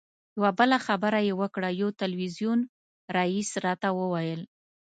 یوه بله خبره یې وکړه یو تلویزیون رییس راته وویل.